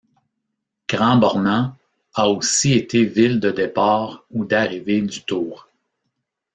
Grand-Bornand a aussi été ville de départ ou d'arrivée du tour.